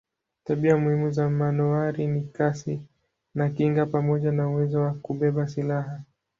Tabia muhimu za manowari ni kasi na kinga pamoja na uwezo wa kubeba silaha.